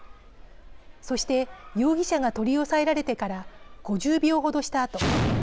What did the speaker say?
そして容疑者が取り押さえられてから５０秒程したあと。